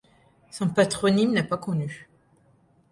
Son patronyme n'est pas connu.